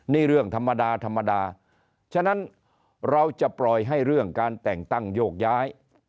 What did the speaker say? นี่เรื่องธรรมดาธรรมดาฉะนั้นเราจะปล่อยให้เรื่องการแต่งตั้งโยกย้าย